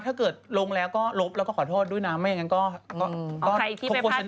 ก็คือคนที่ไปตอบ็อกมาถึงลงที่ยู่ต่าง